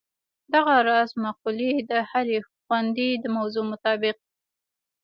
دغه راز مقولې د هرې غونډې د موضوع مطابق.